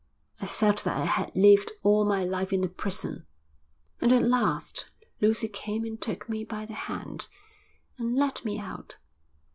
I felt that I had lived all my life in a prison, and at last Lucy came and took me by the hand, and led me out.